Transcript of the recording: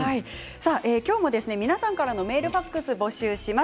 今日も皆さんからのメール、ファックスを募集します。